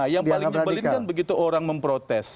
nah yang paling menyebelinkan begitu orang memprotes